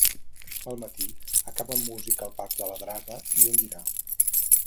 El matí acabà amb música al Parc de la Draga i un dinar.